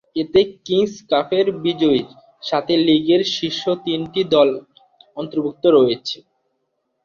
এতে কিংস কাপের বিজয়ীর সাথে লীগের শীর্ষ তিনটি দল অন্তর্ভুক্ত রয়েছে।